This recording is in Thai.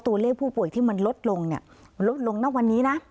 ตัวเลขผู้ป่วยที่มันลดลงลดลงนักวันนี้นะ